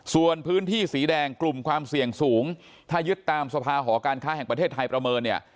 ส่วนพื้นที่สีแดงกลุ่มความเสี่ยงสูงถ้ายึดตามสภาหอการค้าแห่งประเทศไทยประเมินเนี่ย